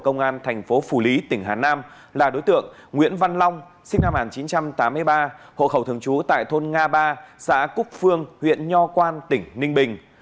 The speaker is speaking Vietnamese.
nguyễn văn long sinh năm một nghìn chín trăm tám mươi ba hộ khẩu thường trú tại thôn nga ba xã cúc phương huyện nho quan tỉnh ninh bình